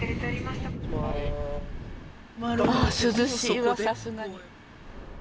ああ涼しいわさすがに。